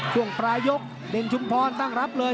ช่วงปลายยกเด่นชุมพรตั้งรับเลย